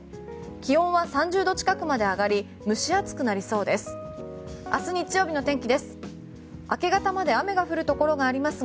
気温は３０度近くまで上がり蒸し暑くなりそうです。